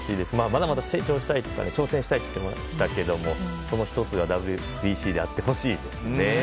まだまだ成長したいとか挑戦したいと言っていましたがその１つがＷＢＣであってほしいですね。